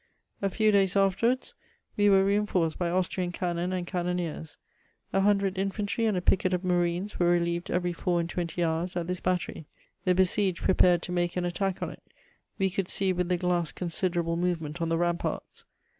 A few days afterwards we were reinforced by Austrian cannon and cannoneers. A hun dred infantry and a picket of marines were relieved every four and*twenty hours at this battery. The besieged prepared to make an attack on it ; we could see with the glass consi derable movement on the ramparts.